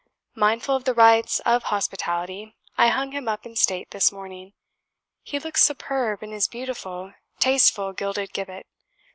Mindful of the rites of hospitality, I hung him up in state this morning. He looks superb in his beautiful, tasteful gilded gibbet.